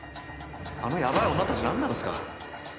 あのやばい女たち、何なんですか。